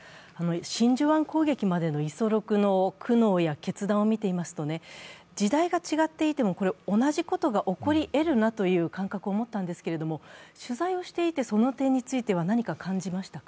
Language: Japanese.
真珠湾攻撃までの五十六の苦悩や決断を見ていますと、時代が違っていても、同じことが起こり得るなという感覚を持ったんですけれども、取材をしてその点については何かを感じましたか？